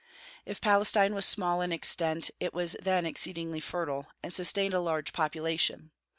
If Palestine was small in extent, it was then exceedingly fertile, and sustained a large population.